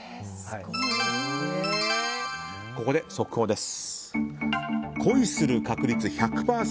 ここで速報です。